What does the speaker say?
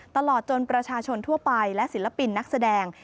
ตลอดจนประชาชนทั่วไปและศิลปินนักแสดง